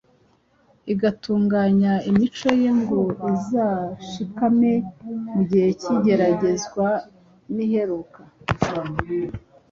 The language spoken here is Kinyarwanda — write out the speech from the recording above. igatunganya imico ye ngo izashikame mu gihe cy’igeragezwa riheruka.